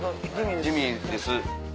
ジミーです。